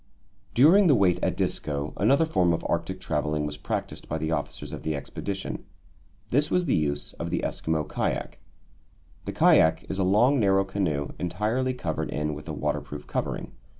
During the wait at Disko, another form of Arctic travelling was practised by the officers of the expedition. This was the use of the Eskimo kayak. The kayak is a long narrow canoe, entirely covered in with a waterproof covering.